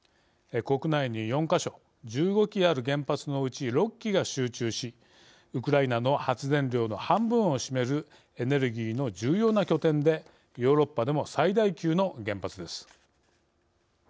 国内に４か所１５基ある原発のうち６基が集中しウクライナの発電量の半分を占めるエネルギーの重要な拠点でヨーロッパでも最大級の原発です。